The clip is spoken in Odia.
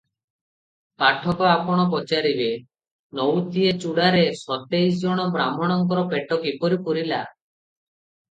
ପାଠକ ଆପଣ ପଚାରିବେ, ନଉତିଏ ଚୂଡ଼ାରେ ସତେଇଶ ଜଣ ବାହ୍ମଣଙ୍କର ପେଟ କିପରି ପୂରିଲା?